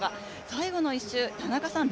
最後の１周田中さん